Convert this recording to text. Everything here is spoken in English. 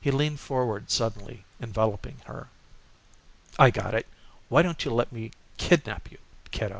He leaned forward suddenly, enveloping her. "I got it. Why don't you lemme kidnap you, kiddo?"